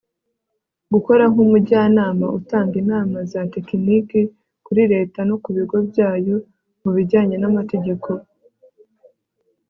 gukora nk'umujyanama utanga inama za tekiniki kuri leta no ku bigo byayo mu bijyanye n'amategeko